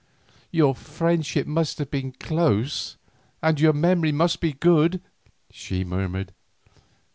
"Your friendship must have been close and your memory must be good," she murmured.